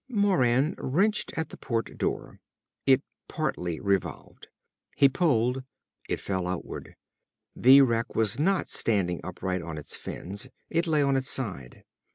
_"Moran wrenched at the port door. It partly revolved. He pulled. It fell outward. The wreck was not standing upright on its fins. It lay on its side.